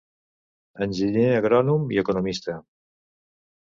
Enginyer agrònom i economista.